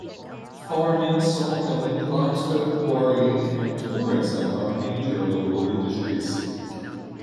Farming, sawmilling, limestone quarrying and tourism are major local industries.